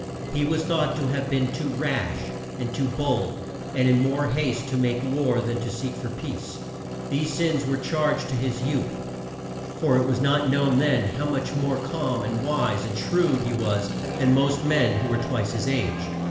He was thought to have been too rash, and too bold, and in more haste to make war than to seek for peace. These sins were charged to his youth, for it was not known then how much more calm, and wise, and shrewd he was than most men who were twice his age.